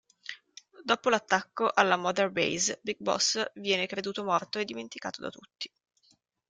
Dopo l'attacco alla Mother Base, Big Boss viene creduto morto e dimenticato da tutti.